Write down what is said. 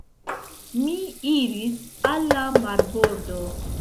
Mi iris al la marbordo.